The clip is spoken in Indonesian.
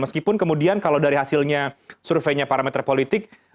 meskipun kemudian kalau dari hasilnya surveinya parameter politik